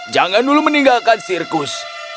jangan dulu meninggalkan sirkus